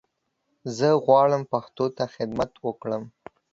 زه غواړم پښتو ته خدمت وکړم